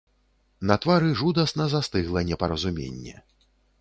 На твары жудасна застыгла непаразуменне.